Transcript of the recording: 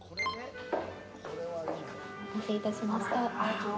お待たせいたしました。